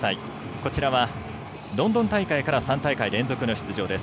こちらはロンドン大会から３大会連続の出場です。